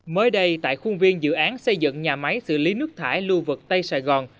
mới đây tại khuôn viên dự án xây dựng nhà máy xử lý nước thải lưu vực tây sài gòn